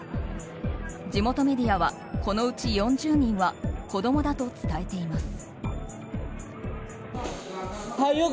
地元メディアはこのうち４０人は子供だと伝えています。